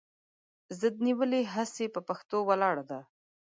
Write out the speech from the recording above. ضد نیولې هسې پهٔ پښتو ولاړه ده